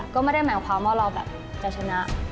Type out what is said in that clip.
ก็ไม่ได้หมายความว่าเราแบบจะชนะ